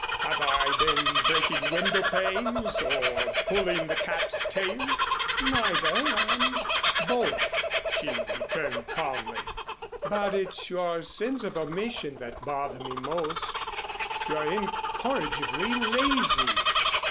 Have I been breaking window panes or pulling the cat's tail?" "Neither and both," she returned calmly. "But it's your sins of omission that bother me most. You're incorrigibly lazy!"